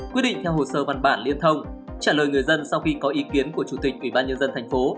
quyết định theo hồ sơ văn bản liên thông trả lời người dân sau khi có ý kiến của chủ tịch ủy ban nhân dân thành phố